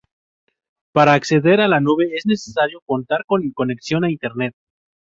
Para acceder a la nube, es necesario contar con conexión a Internet.